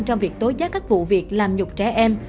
trong việc tối giá các vụ việc làm nhục trẻ em